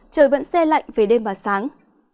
trời vẫn xe lạnh về đêm và sáng